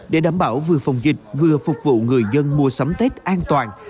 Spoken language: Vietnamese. để đảm bảo vừa phòng dịch vừa phục vụ người dân mua sắm tết an toàn